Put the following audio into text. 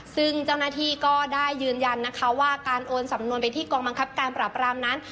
ซึ่งเจ้าหน้าที่ก็ได้ยืนยันนะคะว่าการโอนสำนวนไปที่กองบังคับการปราบรามนั้น